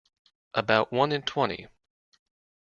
About one in twenty.